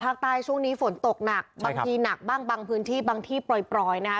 ช่วงนี้ฝนตกหนักบางทีหนักบ้างบางพื้นที่บางที่ปล่อยนะคะ